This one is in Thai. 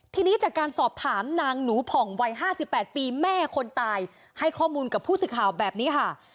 ทีนี้จากการสอบถามนางหนูผ่องวัย๕๘ปีแม่คนตายให้ข้อมูลกับผู้สื่อข่าวแบบนี้ค่ะ